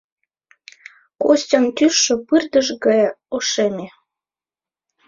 Костян тӱсшӧ пырдыж гае ошеме.